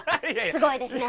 すごいですね。